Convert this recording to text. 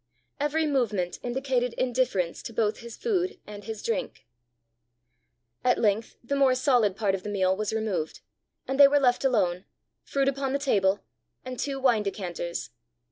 Every movement indicated indifference to both his food and his drink. At length the more solid part of the meal was removed, and they were left alone, fruit upon the table, and two wine decanters.